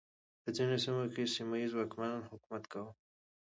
په ځینو سیمو کې سیمه ییزو واکمنانو حکومت کاوه.